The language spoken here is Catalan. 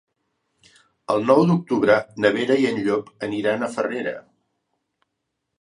El nou d'octubre na Vera i en Llop aniran a Farrera.